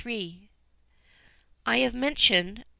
I have mentioned (p.